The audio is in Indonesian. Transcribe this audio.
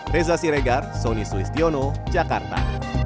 reza siregar sonny sulistiono jakarta